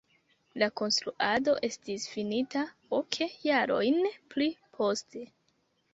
La konstruado estis finita ok jarojn pli poste.